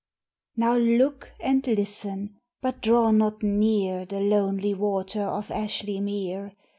Now look and listen! but draw not near The lonely water of Ashly Mere!